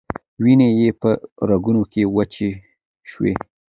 وینې یې په رګونو کې وچې شوې.